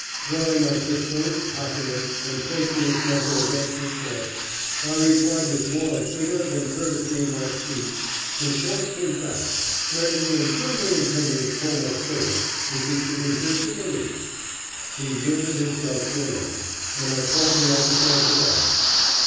Drawing my pistol, cocking it, and placing its muzzle against his breast, I replied with more of vigor than courtesy in my speech, and forced him back, threatening and firmly intending to pull my trigger if he should resist in the least. He yielded himself to arrest, and I called the officer of the guard.